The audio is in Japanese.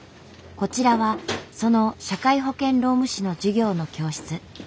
こちらはその社会保険労務士の授業の教室。